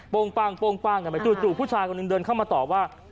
โป้งปั้งโป้งปั้งจุดจุดผู้ชายคนหนึ่งเดินเข้ามาตอบว่า